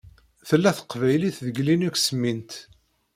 Tella teqbaylit deg Linux Mint.